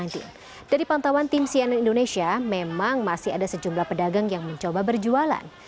dari pantauan tim cnn indonesia memang masih ada sejumlah pedagang yang mencoba berjualan